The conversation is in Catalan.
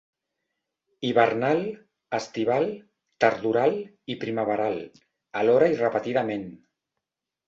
Hivernal, estival, tardoral i primaveral, alhora i repetidament.